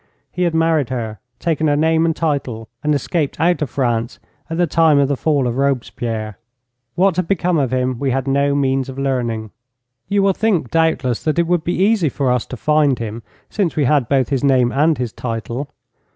He had married her, taken her name and title, and escaped out of France at the time of the fall of Robespierre. What had become of him we had no means of learning. 'You will think, doubtless, that it would be easy for us to find him, since we had both his name and his title.